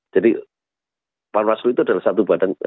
jadi panwaslu itu adalah satu badan